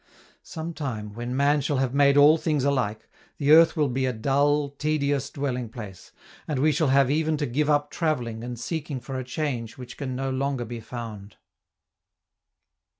Some time, when man shall have made all things alike, the earth will be a dull, tedious dwelling place, and we shall have even to give up travelling and seeking for a change which can no longer be found.